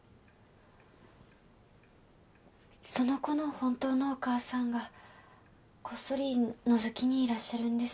その子の本当のお母さんがこっそりのぞきにいらっしゃるんです